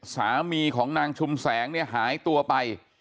สามีของนางชุมแสงเนี่ยหายตัวไป